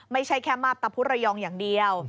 ไม่ใช่แค่มาบตะพุระยองอย่างเดียว